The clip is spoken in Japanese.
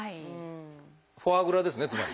フォアグラですねつまり。